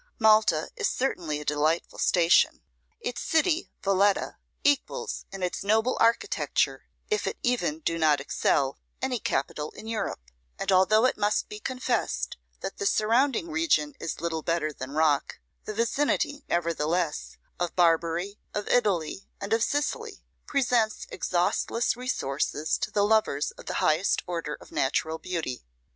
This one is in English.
Malta is certainly a delightful station. Its city, Valetta, equals in its noble architecture, if it even do not excel, any capital in Europe; and although it must be confessed that the surrounding region is little better than a rock, the vicinity, nevertheless, of Barbary, of Italy, and of Sicily, presents exhaustless resources to the lovers of the highest order of natural beauty.